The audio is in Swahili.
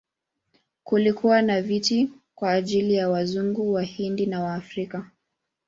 Kulikuwa na viti kwa ajili ya Wazungu, Wahindi na Waafrika.